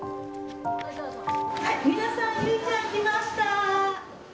皆さん、ゆうちゃん来ました。